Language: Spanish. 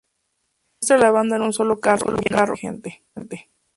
Se muestra a la banda en un solo carro, lleno de gente.